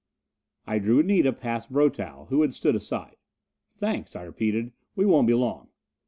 I drew Anita past Brotow, who had stood aside. "Thanks," I repeated. "We won't be long."